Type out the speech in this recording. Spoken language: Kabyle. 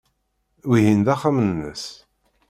Wihin d axxam-nnes.